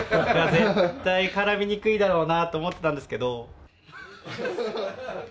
絶対絡みにくいだろうなと思ってたんですけど。